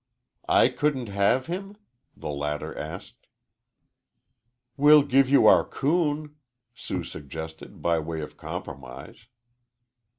"I couldn't have him?" the latter asked. "We'll give you our coon," Sue suggested, by way of compromise.